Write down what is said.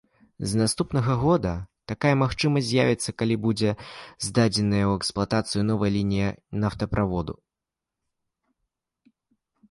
З наступнага года такая магчымасць з'явіцца, калі будзе здадзеная ў эксплуатацыю новая лінія нафтаправоду.